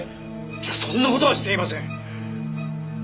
いやそんな事はしていません！